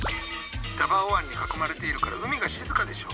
ダバオ湾に囲まれているから海が静かでしょ？